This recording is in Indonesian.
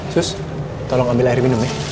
terus tolong ambil air minum ya